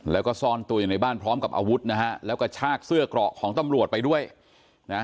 แล้วก็ซ่อนตัวอยู่ในบ้านพร้อมกับอาวุธนะฮะแล้วก็ชากเสื้อเกราะของตำรวจไปด้วยนะฮะ